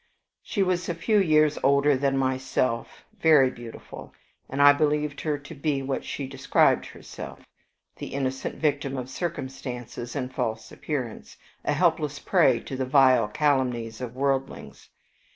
She was a few years older than myself, very beautiful, and I believed her to be what she described herself the innocent victim of circumstance and false appearance, a helpless prey to the vile calumnies of worldlings.